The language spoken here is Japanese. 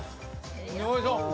よいしょ。